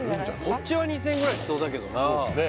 こっちは２０００円ぐらいしそうだけどなね